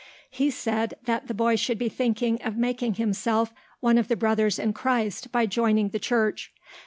He said that the boy should be thinking of making himself one of the brothers in Christ by joining the church.